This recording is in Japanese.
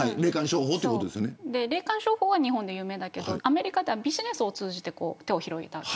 霊感商法は日本で有名だけれどアメリカではビジネスを通じて手を広げた。